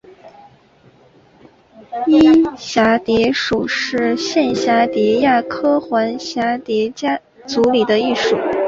漪蛱蝶属是线蛱蝶亚科环蛱蝶族里的一属。